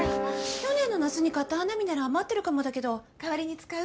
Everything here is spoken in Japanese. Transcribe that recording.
去年の夏に買った花火なら余ってるかもだけど代わりに使う？